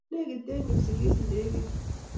Negite Kipsigis ndeget